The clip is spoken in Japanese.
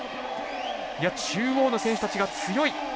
いや中央の選手たちが強い！